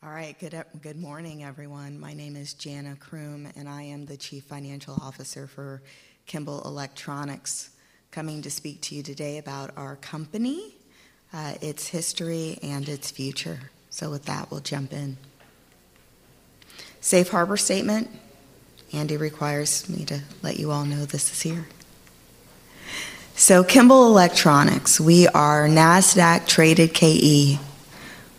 Okay. All right, good morning, everyone. My name is Jana Croom, and I am the Chief Financial Officer for Kimball Electronics, coming to speak to you today about our company, its history, and its future. So with that, we'll jump in. Safe harbor statement. Andy requires me to let you all know this is here. So Kimball Electronics, we are NASDAQ-traded KE.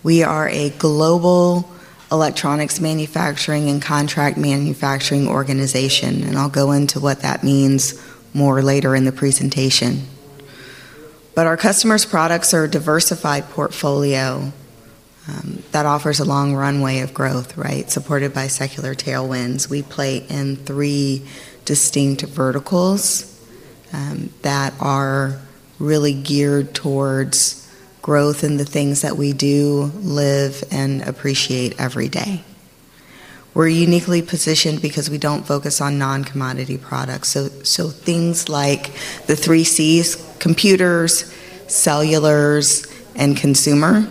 We are a global electronics manufacturing and contract manufacturing organization, and I'll go into what that means more later in the presentation. But our customers' products are a diversified portfolio that offers a long runway of growth, right, supported by secular tailwinds. We play in three distinct verticals that are really geared towards growth in the things that we do, live, and appreciate every day. We're uniquely positioned because we don't focus on non-commodity products. So things like the three C's: computers, cellulars, and consumer.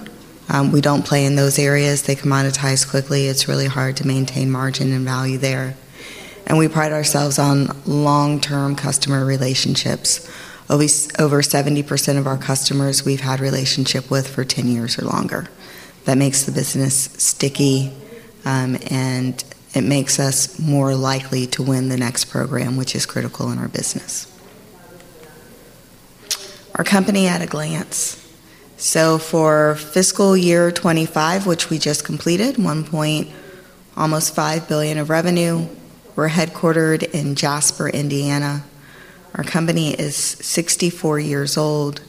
We don't play in those areas. They commoditize quickly. It's really hard to maintain margin and value there. And we pride ourselves on long-term customer relationships. Over 70% of our customers we've had a relationship with for 10 years or longer. That makes the business sticky, and it makes us more likely to win the next program, which is critical in our business. Our company at a glance. So for fiscal year 2025, which we just completed, $1.5 billion of revenue. We're headquartered in Jasper, Indiana. Our company is 64 years old.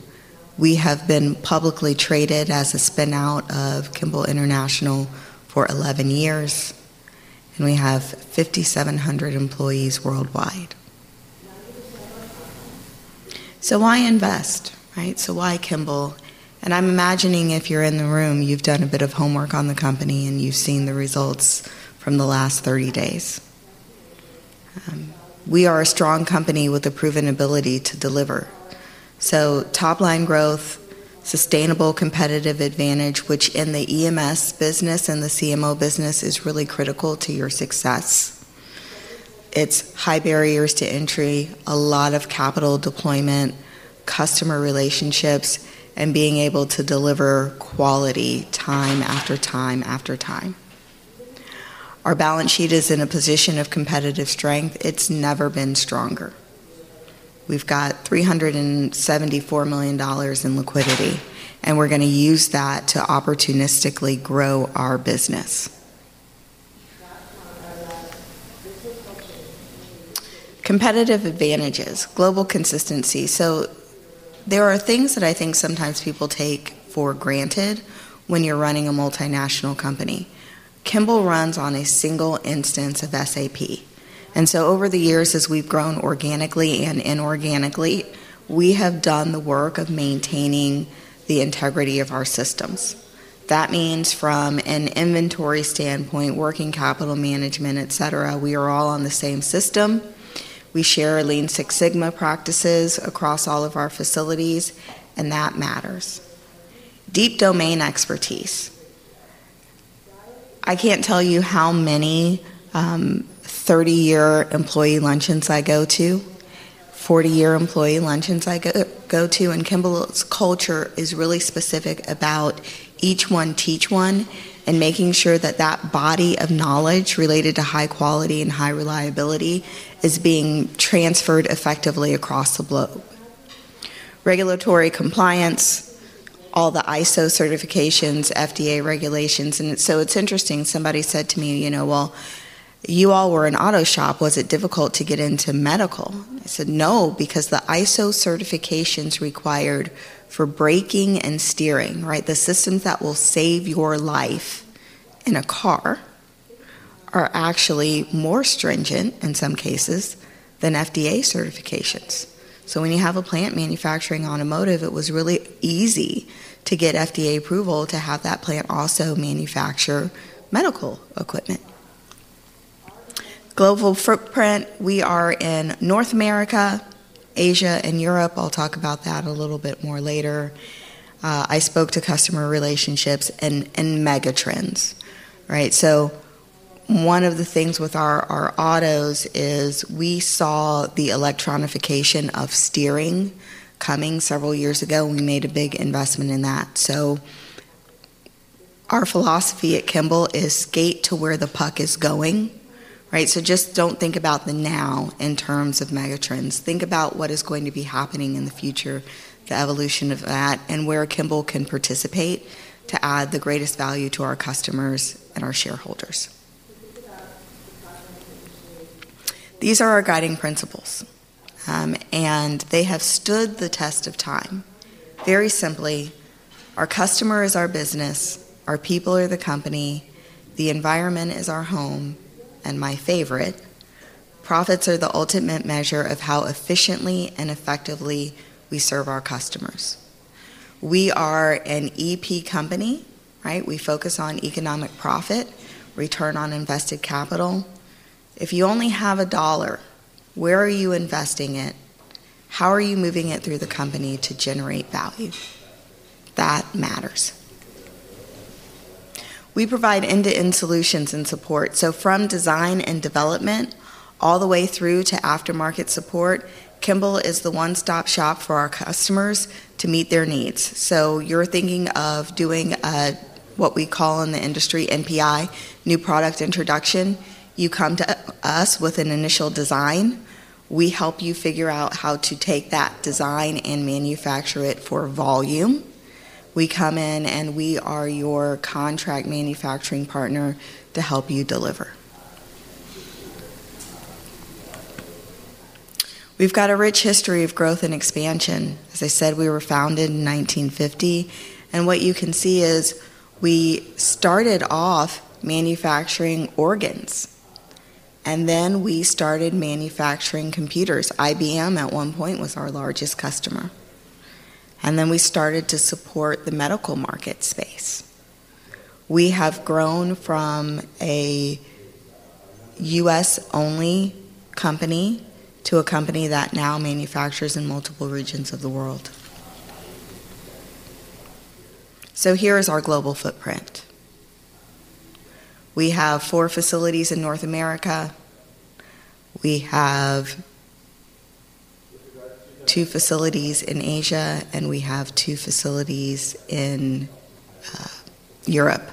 We have been publicly traded as a spinout of Kimball International for 11 years, and we have 5,700 employees worldwide. So why invest, right? So why Kimball? And I'm imagining if you're in the room, you've done a bit of homework on the company and you've seen the results from the last 30 days. We are a strong company with a proven ability to deliver, so top-line growth, sustainable competitive advantage, which in the EMS business and the CMO business is really critical to your success. It's high barriers to entry, a lot of capital deployment, customer relationships, and being able to deliver quality time after time after time. Our balance sheet is in a position of competitive strength. It's never been stronger. We've got $374 million in liquidity, and we're going to use that to opportunistically grow our business. Competitive advantages, global consistency, so there are things that I think sometimes people take for granted when you're running a multinational company. Kimball runs on a single instance of SAP, and so over the years, as we've grown organically and inorganically, we have done the work of maintaining the integrity of our systems. That means from an inventory standpoint, working capital management, etc., we are all on the same system. We share a Lean Six Sigma practices across all of our facilities, and that matters. Deep domain expertise. I can't tell you how many 30-year employee luncheons I go to, 40-year employee luncheons I go to, and Kimball's culture is really specific about each one teach one and making sure that that body of knowledge related to high quality and high reliability is being transferred effectively across the globe. Regulatory compliance, all the ISO certifications, FDA regulations. And so it's interesting, somebody said to me, "Well, you all were an auto shop. Was it difficult to get into medical?" I said, "No, because the ISO certifications required for braking and steering, right, the systems that will save your life in a car are actually more stringent in some cases than FDA certifications." So when you have a plant manufacturing automotive, it was really easy to get FDA approval to have that plant also manufacture medical equipment. Global footprint, we are in North America, Asia, and Europe. I'll talk about that a little bit more later. I spoke to customer relationships and mega trends, right? So one of the things with our autos is we saw the electronification of steering coming several years ago. We made a big investment in that. So our philosophy at Kimball is skate to where the puck is going, right? So just don't think about the now in terms of mega trends. Think about what is going to be happening in the future, the evolution of that, and where Kimball can participate to add the greatest value to our customers and our shareholders. These are our guiding principles, and they have stood the test of time. Very simply, our customer is our business, our people are the company, the environment is our home, and my favorite, profits are the ultimate measure of how efficiently and effectively we serve our customers. We are an EP company, right? We focus on economic profit, return on invested capital. If you only have a dollar, where are you investing it? How are you moving it through the company to generate value? That matters. We provide end-to-end solutions and support. So from design and development all the way through to aftermarket support, Kimball is the one-stop shop for our customers to meet their needs. So you're thinking of doing what we call in the industry NPI, new product introduction. You come to us with an initial design. We help you figure out how to take that design and manufacture it for volume. We come in and we are your contract manufacturing partner to help you deliver. We've got a rich history of growth and expansion. As I said, we were founded in 1950, and what you can see is we started off manufacturing organs, and then we started manufacturing computers. IBM at one point was our largest customer, and then we started to support the medical market space. We have grown from a U.S.-only company to a company that now manufactures in multiple regions of the world. So here is our global footprint. We have four facilities in North America. We have two facilities in Asia, and we have two facilities in Europe.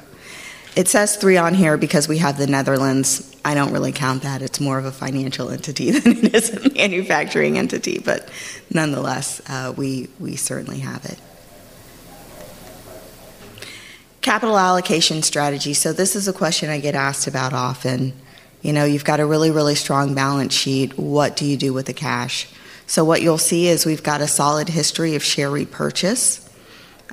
It says three on here because we have the Netherlands. I don't really count that. It's more of a financial entity than it is a manufacturing entity, but nonetheless, we certainly have it. Capital allocation strategy. So this is a question I get asked about often. You've got a really, really strong balance sheet. What do you do with the cash? So what you'll see is we've got a solid history of share repurchase,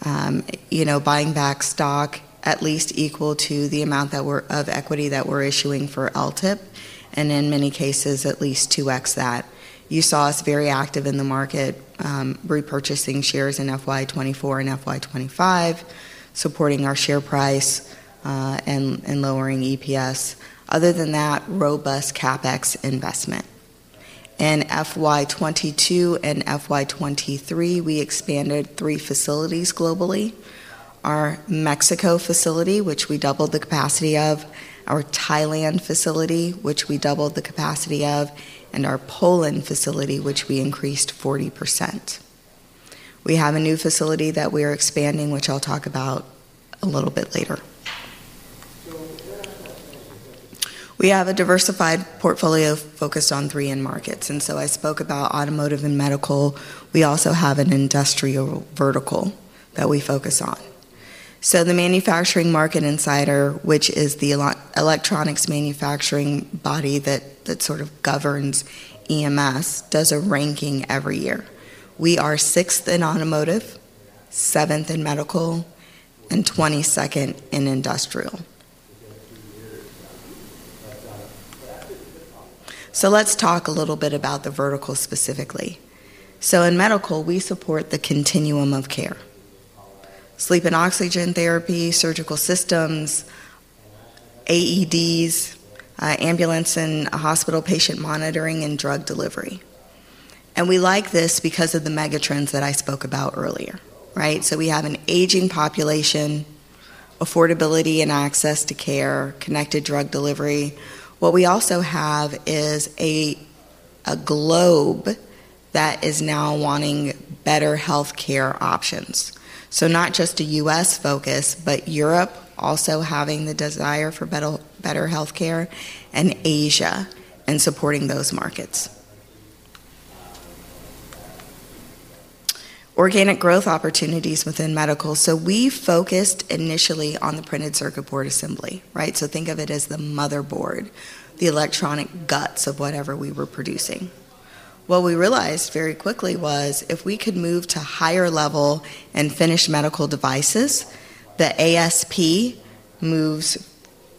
buying back stock at least equal to the amount of equity that we're issuing for LTIP, and in many cases, at least 2x that. You saw us very active in the market, repurchasing shares in FY24 and FY25, supporting our share price and lowering EPS. Other than that, robust CapEx investment. In FY22 and FY23, we expanded three facilities globally: our Mexico facility, which we doubled the capacity of; our Thailand facility, which we doubled the capacity of; and our Poland facility, which we increased 40%. We have a new facility that we are expanding, which I'll talk about a little bit later. We have a diversified portfolio focused on three end markets, and so I spoke about automotive and medical. We also have an industrial vertical that we focus on, so the Manufacturing Market Insider, which is the electronics manufacturing body that sort of governs EMS, does a ranking every year. We are sixth in automotive, seventh in medical, and 22nd in industrial, so let's talk a little bit about the vertical specifically. So in medical, we support the continuum of care: sleep and oxygen therapy, surgical systems, AEDs, ambulance and hospital patient monitoring, and drug delivery. We like this because of the mega trends that I spoke about earlier, right? We have an aging population, affordability and access to care, connected drug delivery. What we also have is a globe that is now wanting better healthcare options. Not just a U.S. focus, but Europe also having the desire for better healthcare and Asia and supporting those markets. Organic growth opportunities within medical. We focused initially on the printed circuit board assembly, right? Think of it as the motherboard, the electronic guts of whatever we were producing. What we realized very quickly was if we could move to higher level and finished medical devices, the ASP moves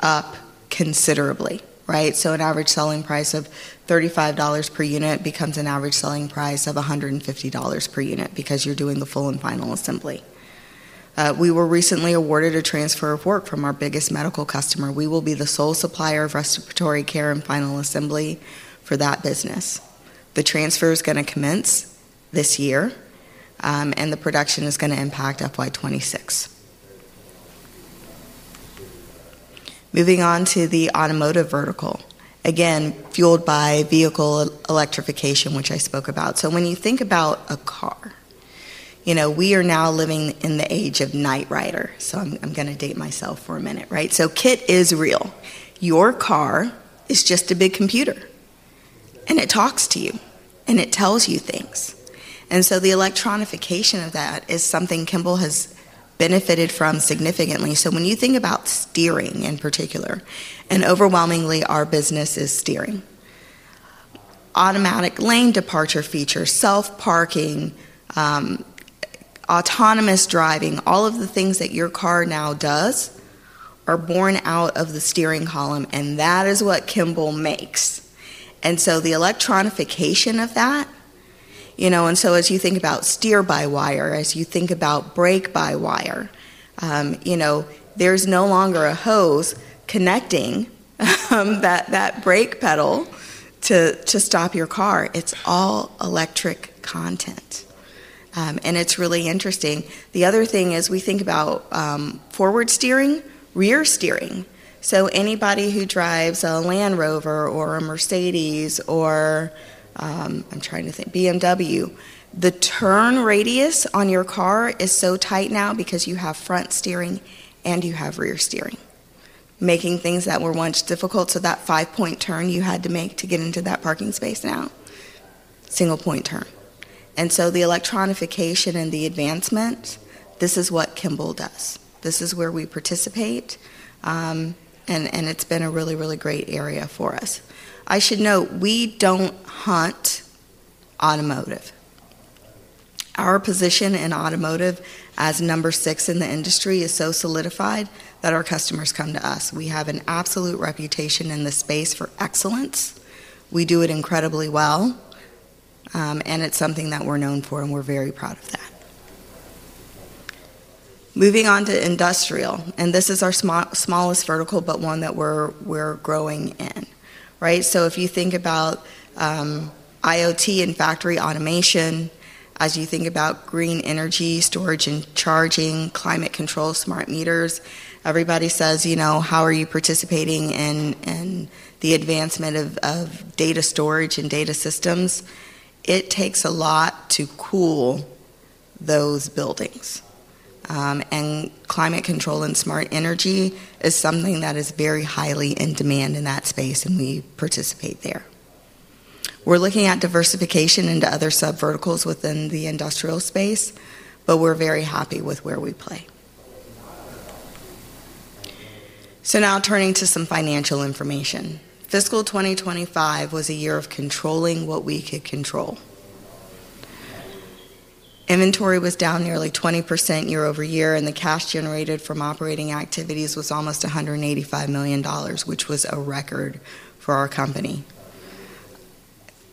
up considerably, right? An average selling price of $35 per unit becomes an average selling price of $150 per unit because you're doing the full and final assembly. We were recently awarded a transfer of work from our biggest medical customer. We will be the sole supplier of respiratory care and final assembly for that business. The transfer is going to commence this year, and the production is going to impact FY26. Moving on to the automotive vertical, again, fueled by vehicle electrification, which I spoke about. So when you think about a car, we are now living in the age of Knight Rider. So I'm going to date myself for a minute, right? So KITT is real. Your car is just a big computer, and it talks to you, and it tells you things. And so the electrification of that is something Kimball has benefited from significantly. When you think about steering in particular, and overwhelmingly our business is steering, automatic lane departure features, self-parking, autonomous driving, all of the things that your car now does are born out of the steering column, and that is what Kimball makes. The electronification of that, as you think about steer by wire, as you think about brake by wire, there's no longer a hose connecting that brake pedal to stop your car. It's all electric content. It's really interesting. The other thing is we think about forward steering, rear steering. Anybody who drives a Land Rover or a Mercedes or, I'm trying to think, BMW, the turn radius on your car is so tight now because you have front steering and you have rear steering, making things that were once difficult. So that five-point turn you had to make to get into that parking space now, single-point turn. And so the electronification and the advancement, this is what Kimball does. This is where we participate, and it's been a really, really great area for us. I should note we don't hunt automotive. Our position in automotive as number 6 in the industry is so solidified that our customers come to us. We have an absolute reputation in the space for excellence. We do it incredibly well, and it's something that we're known for, and we're very proud of that. Moving on to industrial, and this is our smallest vertical, but one that we're growing in, right? So if you think about IoT and factory automation, as you think about green energy, storage and charging, climate control, smart meters, everybody says, "How are you participating in the advancement of data storage and data systems?" It takes a lot to cool those buildings, and climate control and smart energy is something that is very highly in demand in that space, and we participate there. We're looking at diversification into other sub-verticals within the industrial space, but we're very happy with where we play. So now turning to some financial information. Fiscal 2025 was a year of controlling what we could control. Inventory was down nearly 20% year-over-year, and the cash generated from operating activities was almost $185 million, which was a record for our company.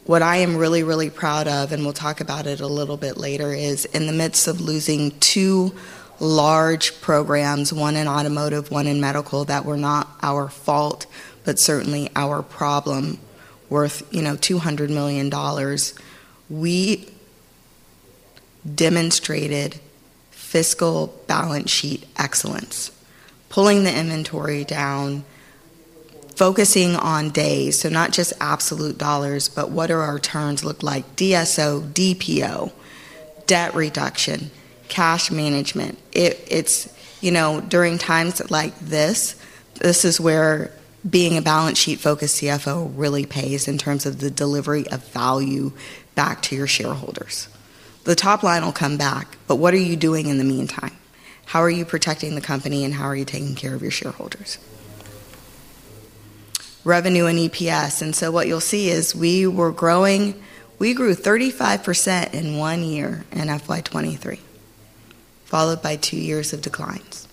What I am really, really proud of, and we'll talk about it a little bit later, is in the midst of losing two large programs, one in automotive, one in medical, that were not our fault, but certainly our problem, worth $200 million. We demonstrated fiscal balance sheet excellence. Pulling the inventory down, focusing on days, so not just absolute dollars, but what do our turns look like? DSO, DPO, debt reduction, cash management. During times like this, this is where being a balance sheet-focused CFO really pays in terms of the delivery of value back to your shareholders. The top line will come back, but what are you doing in the meantime? How are you protecting the company, and how are you taking care of your shareholders? Revenue and EPS, and so what you'll see is we were growing. We grew 35% in one year in FY23, followed by two years of declines.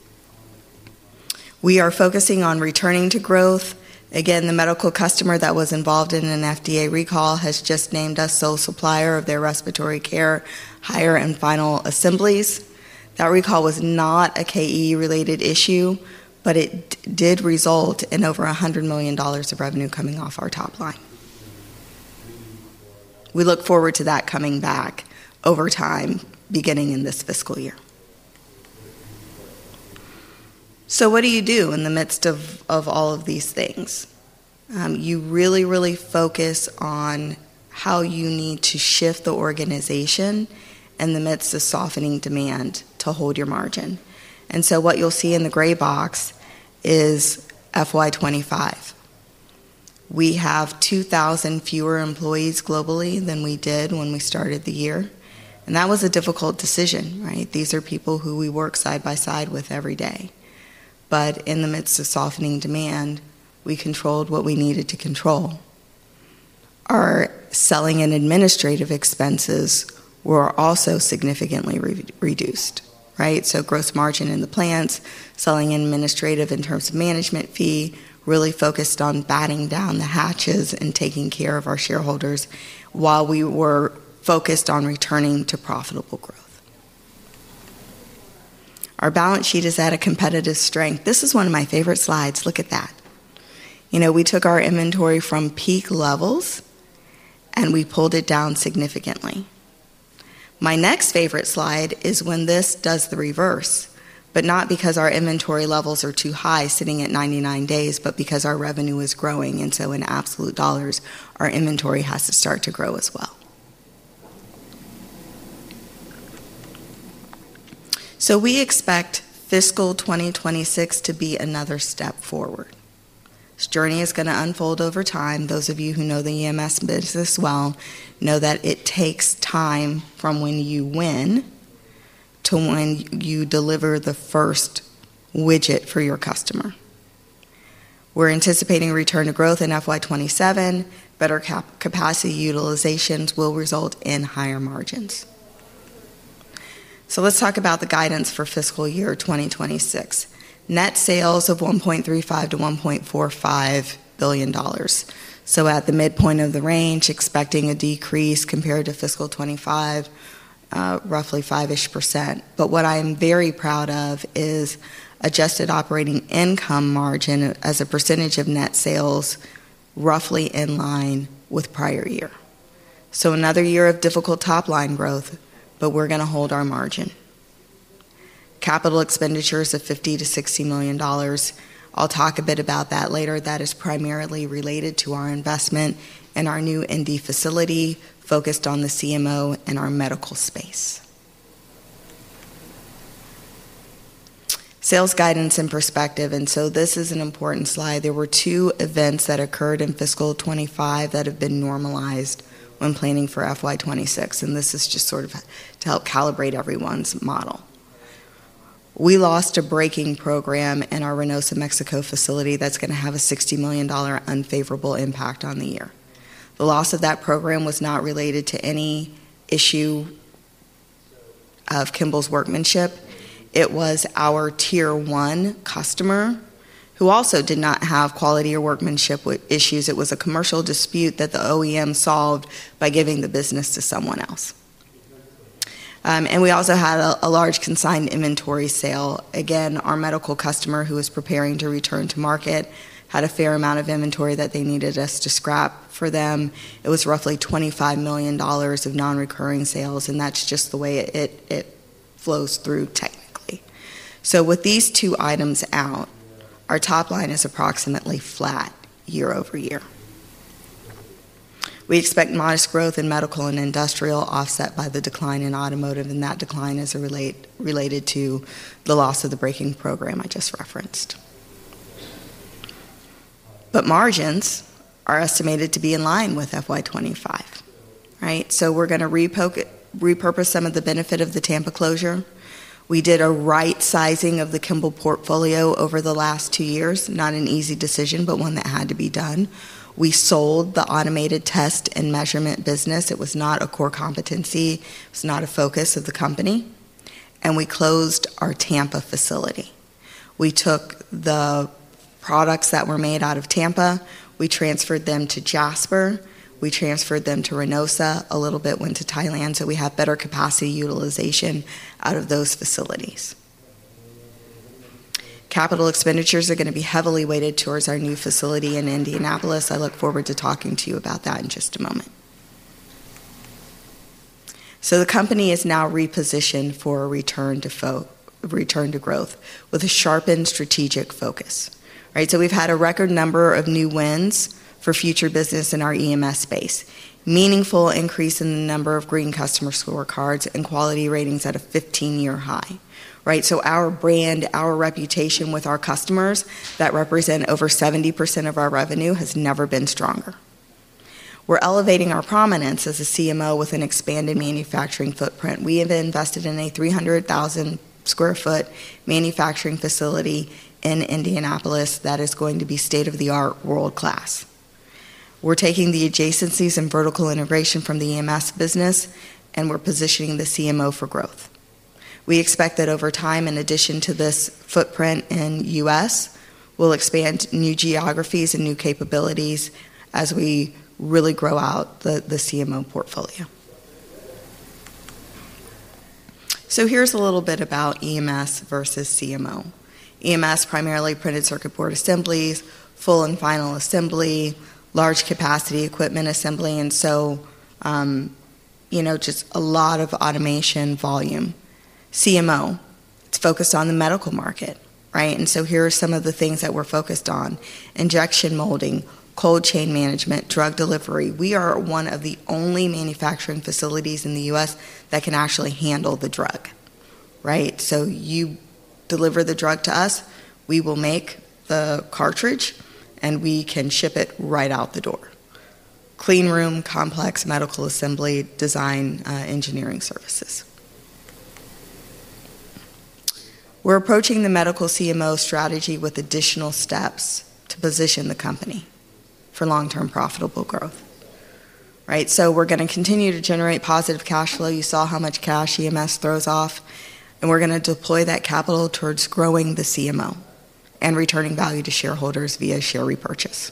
We are focusing on returning to growth. Again, the medical customer that was involved in an FDA recall has just named us sole supplier of their respiratory care, higher and final assemblies. That recall was not a KE-related issue, but it did result in over $100 million of revenue coming off our top line. We look forward to that coming back over time, beginning in this fiscal year, so what do you do in the midst of all of these things? You really, really focus on how you need to shift the organization in the midst of softening demand to hold your margin, and so what you'll see in the gray box is FY25. We have 2,000 fewer employees globally than we did when we started the year, and that was a difficult decision, right? These are people who we work side by side with every day, but in the midst of softening demand, we controlled what we needed to control. Our selling and administrative expenses were also significantly reduced, right? So gross margin in the plants, selling and administrative in terms of management fee, really focused on batting down the hatches and taking care of our shareholders while we were focused on returning to profitable growth. Our balance sheet is at a competitive strength. This is one of my favorite slides. Look at that. We took our inventory from peak levels, and we pulled it down significantly. My next favorite slide is when this does the reverse, but not because our inventory levels are too high, sitting at 99 days, but because our revenue is growing, and so in absolute dollars, our inventory has to start to grow as well. We expect fiscal 2026 to be another step forward. This journey is going to unfold over time. Those of you who know the EMS business well know that it takes time from when you win to when you deliver the first widget for your customer. We're anticipating return to growth in FY 2027. Better capacity utilizations will result in higher margins. Let's talk about the guidance for fiscal year 2026. Net sales of $1.35 billion-$1.45 billion. At the midpoint of the range, expecting a decrease compared to fiscal 2025, roughly 5%-ish. But what I am very proud of is adjusted operating income margin as a percentage of net sales, roughly in line with prior year. Another year of difficult top-line growth, but we're going to hold our margin. Capital expenditures of $50 million-$60 million. I'll talk a bit about that later. That is primarily related to our investment and our new med facility focused on the CMO and our medical space. Sales guidance and perspective. So this is an important slide. There were two events that occurred in fiscal 2025 that have been normalized when planning for FY26. And this is just sort of to help calibrate everyone's model. We lost a braking program in our Reynosa, Mexico facility that's going to have a $60 million unfavorable impact on the year. The loss of that program was not related to any issue of Kimball's workmanship. It was our tier-one customer who also did not have quality or workmanship issues. It was a commercial dispute that the OEM solved by giving the business to someone else. And we also had a large consigned inventory sale. Again, our medical customer who was preparing to return to market had a fair amount of inventory that they needed us to scrap for them. It was roughly $25 million of non-recurring sales, and that's just the way it flows through technically, so with these two items out, our top line is approximately flat year-over-year. We expect modest growth in medical and industrial, offset by the decline in automotive, and that decline is related to the loss of the braking program I just referenced, but margins are estimated to be in line with FY25, right, so we're going to repurpose some of the benefit of the Tampa closure. We did a right-sizing of the Kimball portfolio over the last two years, not an easy decision, but one that had to be done. We sold the automated test and measurement business. It was not a core competency. It was not a focus of the company. And we closed our Tampa facility. We took the products that were made out of Tampa. We transferred them to Jasper. We transferred them to Reynosa. A little bit went to Thailand. So we have better capacity utilization out of those facilities. Capital expenditures are going to be heavily weighted towards our new facility in Indianapolis. I look forward to talking to you about that in just a moment. So the company is now repositioned for return to growth with a sharpened strategic focus, right? So we've had a record number of new wins for future business in our EMS space, meaningful increase in the number of green customer score cards and quality ratings at a 15-year high, right? So our brand, our reputation with our customers that represent over 70% of our revenue has never been stronger. We're elevating our prominence as a CMO with an expanded manufacturing footprint. We have invested in a 300,000 sq ft manufacturing facility in Indianapolis that is going to be state-of-the-art, world-class. We're taking the adjacencies and vertical integration from the EMS business, and we're positioning the CMO for growth. We expect that over time, in addition to this footprint in the U.S., we'll expand new geographies and new capabilities as we really grow out the CMO portfolio. So here's a little bit about EMS versus CMO. EMS primarily printed circuit board assemblies, full and final assembly, large capacity equipment assembly, and so just a lot of automation volume. CMO, it's focused on the medical market, right? And so here are some of the things that we're focused on: injection molding, cold chain management, drug delivery. We are one of the only manufacturing facilities in the U.S. that can actually handle the drug, right? So you deliver the drug to us, we will make the cartridge, and we can ship it right out the door. Clean room, complex medical assembly design, engineering services. We're approaching the medical CMO strategy with additional steps to position the company for long-term profitable growth, right? So we're going to continue to generate positive cash flow. You saw how much cash EMS throws off, and we're going to deploy that capital towards growing the CMO and returning value to shareholders via share repurchase.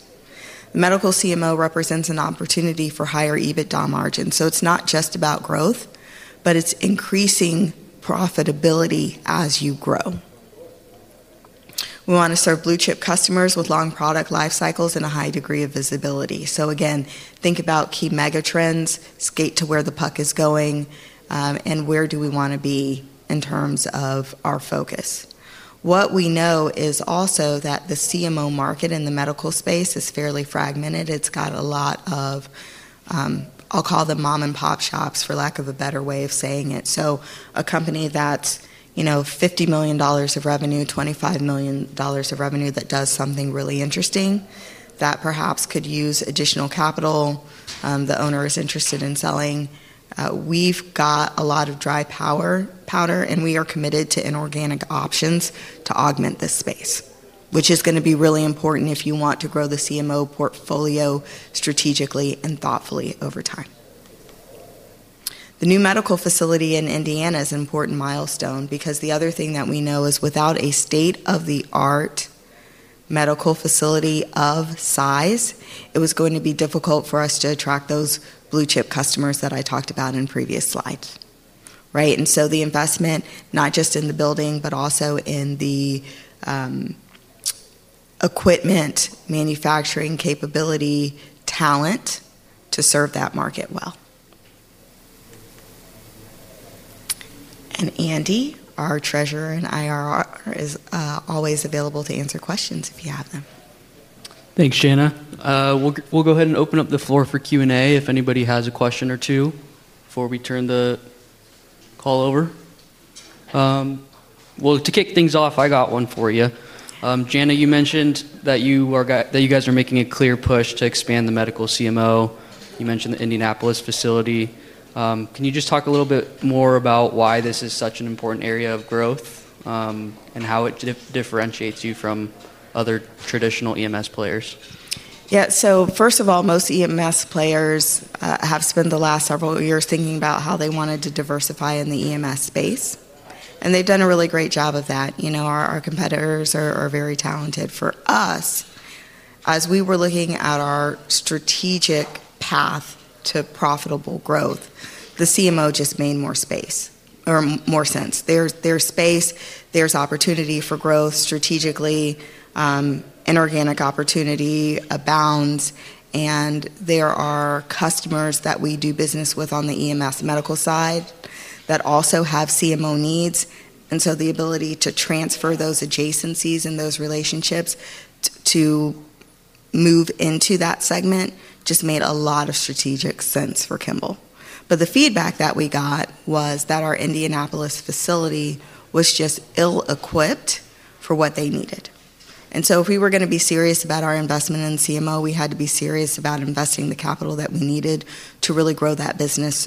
The medical CMO represents an opportunity for higher EBITDA margin. So it's not just about growth, but it's increasing profitability as you grow. We want to serve blue-chip customers with long product life cycles and a high degree of visibility. So again, think about key mega trends, skate to where the puck is going, and where do we want to be in terms of our focus. What we know is also that the CMO market in the medical space is fairly fragmented. It's got a lot of, I'll call them mom-and-pop shops, for lack of a better way of saying it. So a company that's $50 million of revenue, $25 million of revenue that does something really interesting that perhaps could use additional capital, the owner is interested in selling. We've got a lot of dry powder, and we are committed to inorganic options to augment this space, which is going to be really important if you want to grow the CMO portfolio strategically and thoughtfully over time. The new medical facility in Indiana is an important milestone because the other thing that we know is without a state-of-the-art medical facility of size, it was going to be difficult for us to attract those blue-chip customers that I talked about in previous slides, right? And so the investment, not just in the building, but also in the equipment, manufacturing capability, talent to serve that market well. And Andy, our Treasurer and IR, is always available to answer questions if you have them. Thanks, Jana. We'll go ahead and open up the floor for Q&A if anybody has a question or two before we turn the call over. Well, to kick things off, I got one for you. Jana, you mentioned that you guys are making a clear push to expand the medical CMO. You mentioned the Indianapolis facility. Can you just talk a little bit more about why this is such an important area of growth and how it differentiates you from other traditional EMS players? Yeah. So first of all, most EMS players have spent the last several years thinking about how they wanted to diversify in the EMS space. And they've done a really great job of that. Our competitors are very talented. For us, as we were looking at our strategic path to profitable growth, the CMO just made more space or more sense. There's space, there's opportunity for growth strategically, inorganic opportunity abounds, and there are customers that we do business with on the EMS medical side that also have CMO needs. And so the ability to transfer those adjacencies and those relationships to move into that segment just made a lot of strategic sense for Kimball. But the feedback that we got was that our Indianapolis facility was just ill-equipped for what they needed. And so if we were going to be serious about our investment in CMO, we had to be serious about investing the capital that we needed to really grow that business.